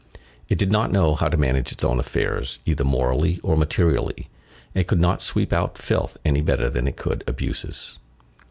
It did not know how to manage its own affairs either morally or materially, and could not sweep out filth any better than it could abuses.